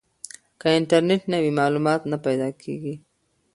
که انټرنیټ نه وي معلومات نه پیدا کیږي.